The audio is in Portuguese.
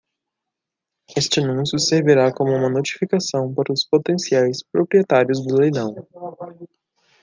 Este anúncio servirá como uma notificação para os potenciais proprietários do leilão.